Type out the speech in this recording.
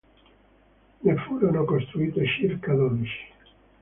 Ne furono costruite circa dodici.